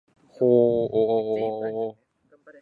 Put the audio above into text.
おおおおお